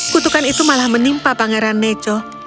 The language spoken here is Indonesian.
kutukan itu malah menimpa pangeran neco